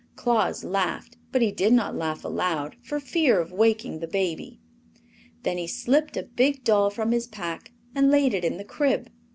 Claus laughed, but he did not laugh aloud for fear of waking the baby. Then he slipped a big doll from his pack and laid it in the crib.